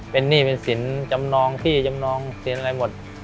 เป็นหนี้เป็นสินจำนองที่จำนองสินอะไรหมด